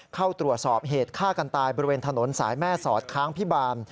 เข้าตรวจสอบเหตุฆ่ากันตายบริเวณถนนสายแม่สอดค้างพิบาล